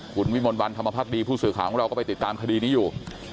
คุณวิมลวันธรรมภักดีผู้สื่อข่าวของเราก็ไปติดตามคดีนี้อยู่